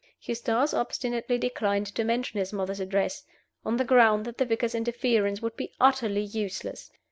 Eustace obstinately declined to mention his mother's address, on the ground that the vicar's interference would be utterly useless.